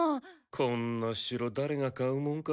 こんな城誰が買うもんか。